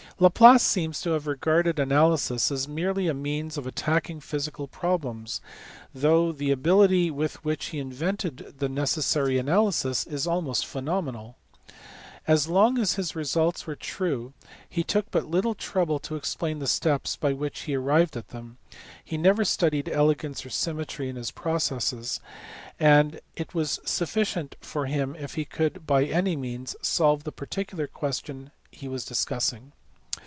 Laplace seems to have regarded analysis merely as a means of attacking physical problems, though the ability with which he invented the necessary analysis is almost phenomenal. As long as his results were true he took but little trouble to ex plain the steps by which he arrived at them ; he never studied elegance or symmetry in his processes, and it was sufficient for him if he could by any means solve the particular question he was discussing.